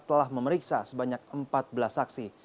telah memeriksa sebanyak empat belas saksi